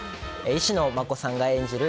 石野真子さんが演じる